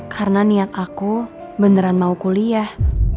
karena niat aku beneran mau kuliah